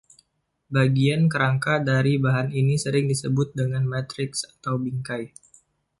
Bagian kerangka dari bahan ini sering disebut dengan "matriks" atau "bingkai".